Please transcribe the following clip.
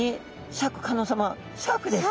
シャークです。